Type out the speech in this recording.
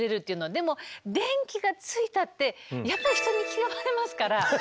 でも電気がついたってやっぱり人に嫌われますから。